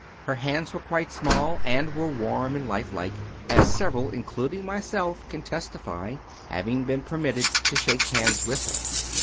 Her hands were quite small, and were warm and lifelike, as several, including myself, can testify, having been permitted to shake hands with her.